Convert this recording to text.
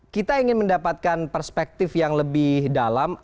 kita ingin mendapatkan perspektif yang lebih dalam